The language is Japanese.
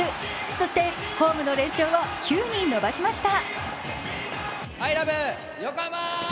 そしてホームの連勝を９に伸ばしました。